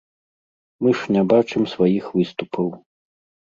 Мы ж не бачым сваіх выступаў.